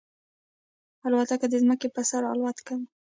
الوتکه د ځمکې پر سر الوت کوي.